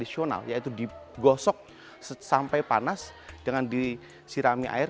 yang tradisional yaitu digosok sampai panas dengan disirami air